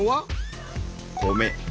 米。